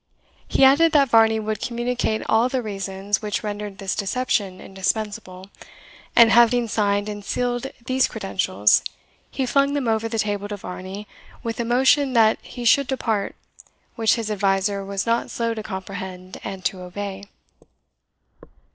He added that Varney would communicate all the reasons which rendered this deception indispensable; and having signed and sealed these credentials, he flung them over the table to Varney with a motion that he should depart, which his adviser was not slow to comprehend and to obey.